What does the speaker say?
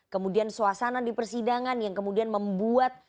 kemudian suasana di persidangan yang kemudian membuat